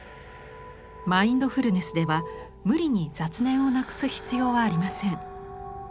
マインドフルネスでは無理に雑念をなくす必要はありません。